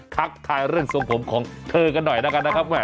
คักทายเรื่องส่งผมของเธอกันหน่อยนะครับ